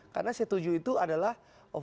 karena c tujuh itu adalah